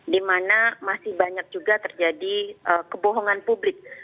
dimana masih banyak juga terjadi kebohongan publik